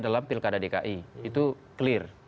dalam pilkada dki itu clear